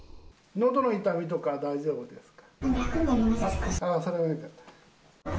のどの痛みとか大丈夫ですか。